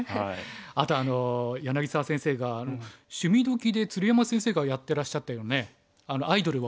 あと柳澤先生が「趣味どきっ！」で鶴山先生がやってらっしゃったようなねアイドルを。